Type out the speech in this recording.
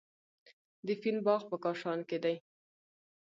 د فین باغ په کاشان کې دی.